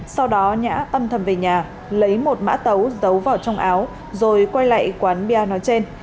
sau đó nhã âm thầm về nhà lấy một mã tấu giấu vào trong áo rồi quay lại quán bia nói trên